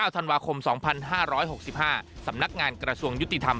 ธันวาคม๒๕๖๕สำนักงานกระทรวงยุติธรรม